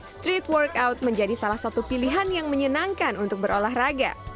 street workout menjadi salah satu pilihan yang menyenangkan untuk berolahraga